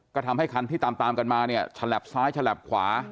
ก็ทำให้คันที่ตามกันมาฉลาบซ้ายฉลาบขวา